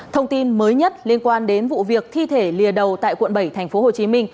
thông tin mới nhất liên quan đến vụ việc thi thể lìa đầu tại quận bảy tp hcm